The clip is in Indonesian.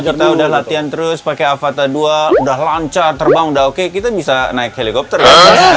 kita udah latihan terus pakai avata dua udah lancar terbang udah oke kita bisa naik helikopter ya